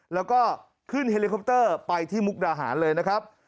แล้วก็ขึ้นเฮลิคอปเตอร์ไปที่มุกดาหารเลยนะครับ